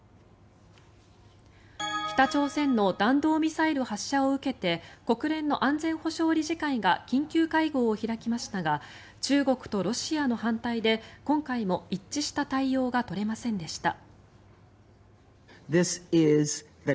北朝鮮の弾道ミサイル発射を受けて国連の安全保障理事会が緊急会合を開きましたが中国とロシアの反対で今回も一致した対応が取れませんでした。